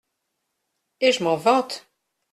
Et je m’en vante…